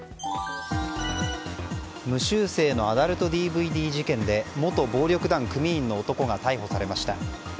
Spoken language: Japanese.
無修正のアダルトＤＶＤ事件で元暴力団組員の男が逮捕されました。